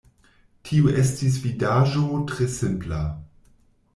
Tio estis vidaĵo tre simpla.